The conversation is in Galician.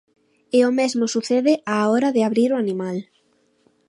E o mesmo sucede á hora de abrir o animal.